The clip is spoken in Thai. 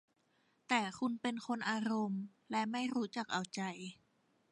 แต่คุณเป็นคนอารมณ์ และไม่รู้จักเอาใจ